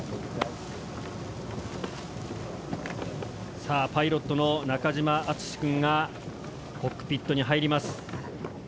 さあパイロットの中島敦之くんがコックピットに入ります。